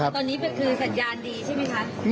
ตอนนี้คือสัญญาณดีใช่ไหมคะ